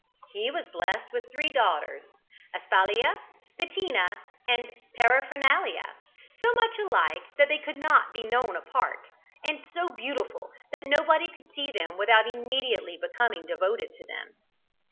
He was blessed with three daughters, Asphalia, Bettina, and Paraphernalia, so much alike that they could not be known apart, and so beautiful that nobody could see them without immediately becoming devoted to them.